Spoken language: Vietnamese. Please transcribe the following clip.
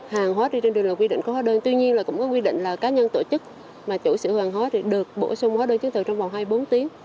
hàng hóa đi trên đường là quy định có hóa đơn tuy nhiên là cũng có quy định là cá nhân tổ chức mà chủ sử hàng hóa thì được bổ sung hóa đơn chứng từ trong vòng hai mươi bốn tiếng